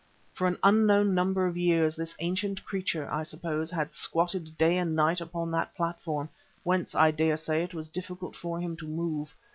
For an unknown number of years this ancient creature, I suppose, had squatted day and night upon that platform, whence, I daresay, it was difficult for him to move.